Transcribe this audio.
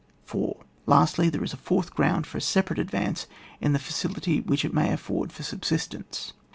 4. Lastly, there is still a fourth ground for a separate advance in the fadhty which it may afford for subsistence.